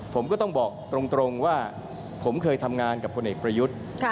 ผมก็ต้องบอกตรงว่าผมเคยทำงานกับพลเอกประยุทธ์